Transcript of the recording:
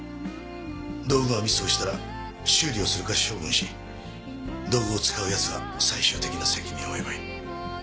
道具がミスをしたら修理をするか処分し道具を使う奴が最終的な責任を負えばいい。